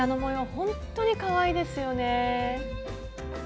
ほんとにかわいいですよね。